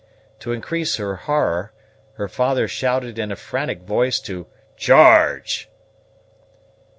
To increase her horror, her father shouted in a frantic voice to "charge!"